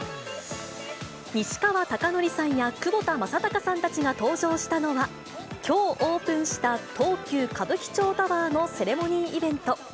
西川貴教さんや窪田正孝さんたちが登場したのは、きょうオープンした東急歌舞伎町タワーのセレモニーイベント。